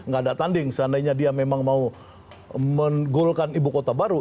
gak ada tanding seandainya dia memang mau menggolkan ibu kota baru